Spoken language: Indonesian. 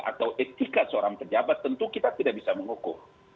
atau etika seorang pejabat tentu kita tidak bisa menghukum